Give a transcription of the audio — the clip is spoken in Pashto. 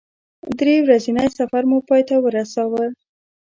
درې ورځنی سفر مو پای ته ورساوه.